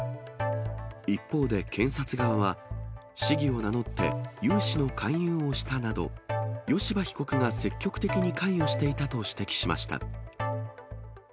一方で検察側は、市議を名乗って融資の勧誘をしたなど、吉羽被告が積極的に関与していたと指摘しました。